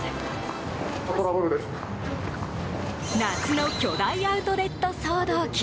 夏の巨大アウトレット騒動記